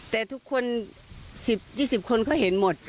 แต่ทุกคนสิบยี่สิบคนเขาเห็นหมด